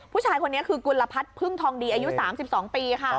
ผู้ชายคนนี้คือกุณลพัดพึ่งทองดีอายุสามสิบสองปีค่ะ